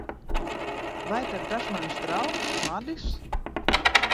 Vai tad tas mans draugs, Madis?